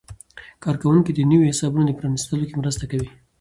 کارکوونکي د نویو حسابونو په پرانیستلو کې مرسته کوي.